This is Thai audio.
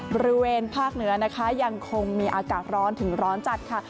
บริเวณภาคเหนือนะคะยังคงมีอากาศร้อนถึงร้อนจัดค่ะ